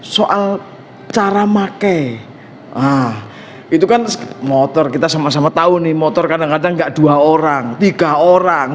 soal cara pakai itu kan motor kita sama sama tahu nih motor kadang kadang enggak dua orang tiga orang